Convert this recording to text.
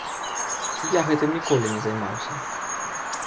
Я гэтым ніколі не займаўся.